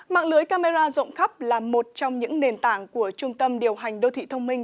mạng lưới camera rộng khắp là một trong những nền tảng của trung tâm điều hành đô thị thông minh